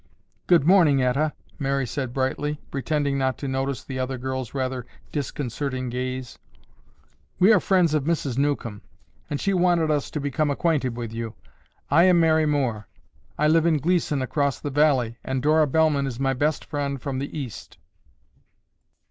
"Good morning, Etta," Mary said brightly, pretending not to notice the other girl's rather disconcerting gaze. "We are friends of Mrs. Newcomb, and she wanted us to become acquainted with you. I am Mary Moore. I live in Gleeson across the valley and Dora Bellman is my best friend from the East."